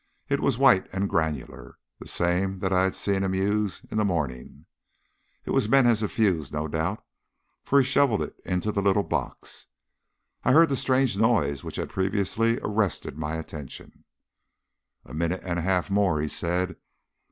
It was white and granular the same that I had seen him use in the morning. It was meant as a fuse, no doubt, for he shovelled it into the little box, and I heard the strange noise which had previously arrested my attention. "A minute and a half more," he said.